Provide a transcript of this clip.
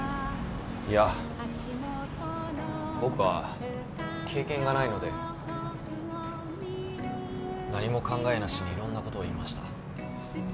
いや僕は経験がないので何も考えなしにいろんなことを言いました。